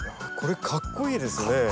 これかっこいいですね。